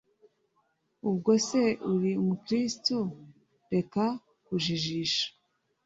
ubwo se uri umukristu, reka kujijisha?!